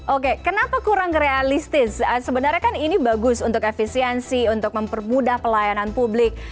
oke kenapa kurang realistis sebenarnya kan ini bagus untuk efisiensi untuk mempermudah pelayanan publik